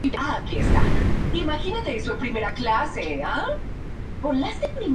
No obstante, como indica Domínguez Caparrós, conviene tener en cuenta que